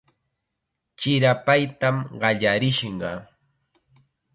Chirapaytam qallarishqa.